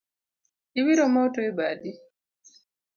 Ibiro moto e badi